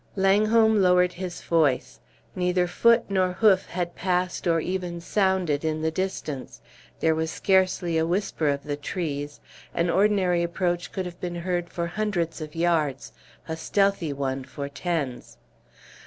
Langholm lowered his voice. Neither foot nor hoof had passed or even sounded in the distance. There was scarcely a whisper of the trees; an ordinary approach could have been heard for hundreds of yards, a stealthy one for tens.